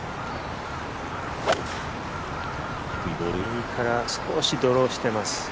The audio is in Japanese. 右から少しドローしています。